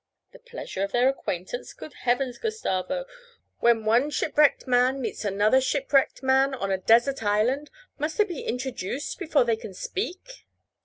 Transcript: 'The pleasure of their acquaintance! Good heavens, Gustavo, when one shipwrecked man meets another shipwrecked man on a desert island must they be introduced before they can speak?'